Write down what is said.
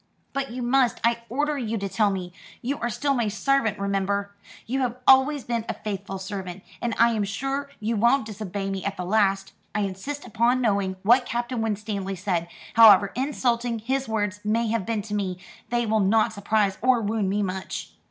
"But you must. I order you to tell me. You are still my servant, remember. You have always been a faithful servant, and I am sure you won't disobey me at the last. I insist upon knowing what Captain Winstanley said; however insulting his words may have been to me, they will not surprise or wound me much.